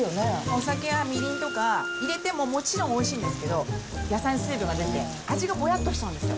お酒やみりんとかは入れてももちろんおいしいんですけど、野菜の水分が出て味がぼやっとしちゃうんですよ。